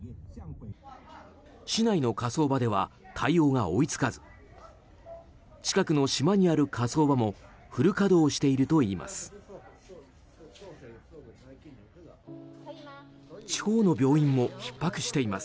市内の火葬場では対応が追い付かず近くの島にある火葬場もフル稼働しているといいます。